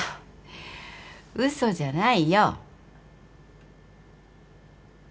嘘じゃないよ。